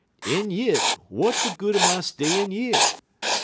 "En yit, w'at de good er my stayin' yer?